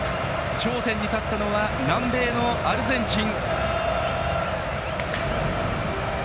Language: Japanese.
頂点に立ったのは南米のアルゼンチン。